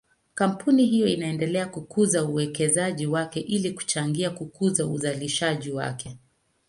Kampuni hiyo inaendelea kukuza uwekezaji wake ili kuchangia kukuza uzalishaji wake.